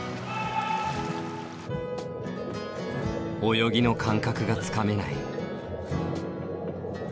泳ぎの感覚がつかめない。